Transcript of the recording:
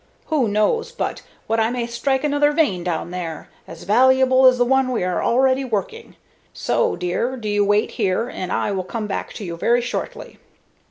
Who knows but what I may strike another vein down there, as valuable as the one we are already working. So, dear, do you wait here, and I will come back to you very shortly."